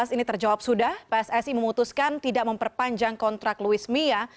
ini terjawab sudah pssi memutuskan tidak memperpanjang kontrak louis mia